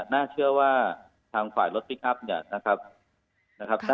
น่าเชื่อว่าทางฝ่ายรถพลิกอัพ